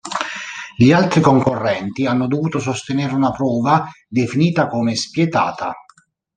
Gli altri concorrenti, hanno dovuto sostenere una prova definita come "spietata".